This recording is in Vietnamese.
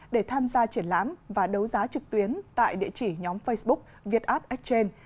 để tham gia triển lãm và đấu giá trực tuyến tại địa chỉ nhóm facebook vietart exchange